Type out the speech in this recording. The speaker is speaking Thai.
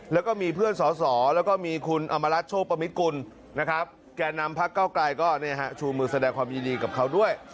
แล้วก็มีเพื่อนสอสอแล้วก็มีคุณอมรัฐโชคปมิตกุลนะครับแก่นำพักเก้าไกลก็ชูมือแสดงความยินดีกับเขาด้วย